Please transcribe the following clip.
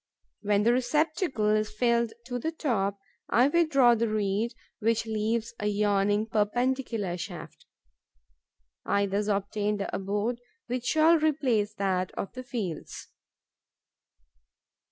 When the receptacle is filled to the top, I withdraw the reed, which leaves a yawning, perpendicular shaft. I thus obtain the abode which shall replace that of the fields.